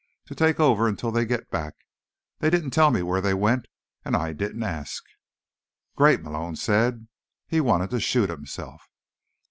To take over until they get back. They didn't tell me where they went, and I didn't ask." "Great," Malone said. He wanted to shoot himself.